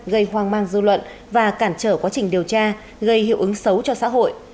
gây hoang mang dư luận và cản trở quá trình điều tra gây hiệu ứng xấu cho xã hội